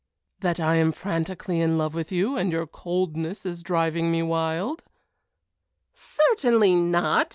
"That I am frantically in love with you, and your coldness is driving me wild?" "Certainly not!"